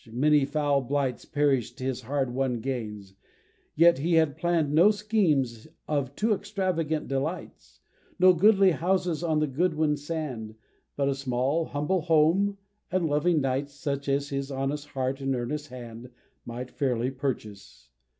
Many foul blights Perish'd his hard won gains yet he had plann'd No schemes of too extravagant delights No goodly houses on the Goodwin sand But a small humble home, and loving nights, Such as his honest heart and earnest hand Might fairly purchase.